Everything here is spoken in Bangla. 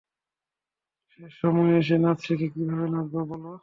শেষ সময়ে এসে নাচ শিখে কীভাবে নাচব বল?